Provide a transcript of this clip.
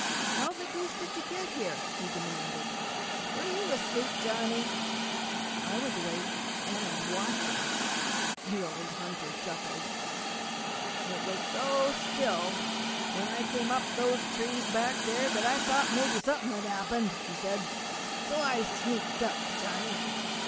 "How the deuce did you get here?" he demanded. "Were you asleep, Johnny?" "I was awake and watching!" The old hunter chuckled. "It was so still when I come to those trees back there that I thought mebby something had 'appened," he said. "So, I sneaked up, Johnny."